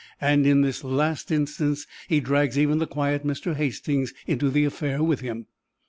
And, in this last instance, he drags even the quiet Mr. Hastings into the affair with him."